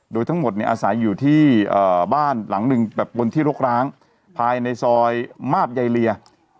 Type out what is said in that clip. โดยทั้งหมดเนี่ยอาศัยอยู่ที่บ้านหลังหนึ่งแบบบนที่รกร้างภายในซอยมาบใยเลีย